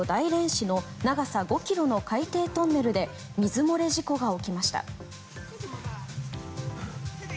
市の長さ５ｋｍの海底トンネルで水漏れ事故が起きました。